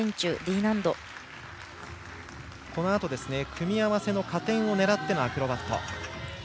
組み合わせの加点を狙ってのアクロバット。